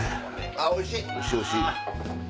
あっおいしい！